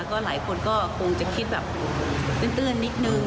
ก็หลายคนก็คงจะคิดแบบตื้นนิดนึง